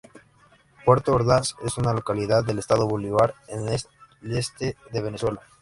Puerto Ordaz es una localidad del estado Bolívar, en el este de Venezuela.